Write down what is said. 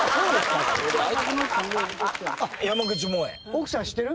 奥さん知ってる？